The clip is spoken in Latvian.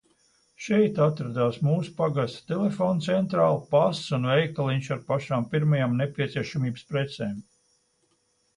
Šeit atradās mūsu pagasta telefona centrāle, pasts un veikaliņš ar pašām pirmajām nepieciešamības precēm.